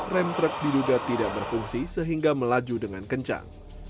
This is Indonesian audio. rem truk diduga tidak berfungsi sehingga melaju dengan kencang